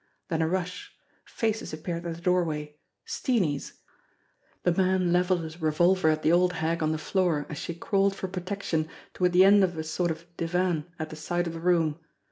Then a rush ! Faces appeared at the doorway Steenie's ! The man levelled his revolver at the old hag on the floor as she crawled for pro tection toward the end of a sort of divan at the side of the room.